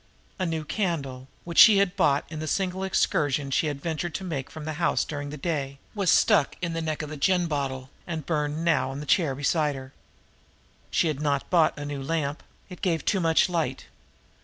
A new candle, which she had bought in the single excursion she had ventured to make from the house during the day, was stuck in the neck of the gin bottle, and burned now on the chair beside her. She had not bought a new lamp it gave too much light!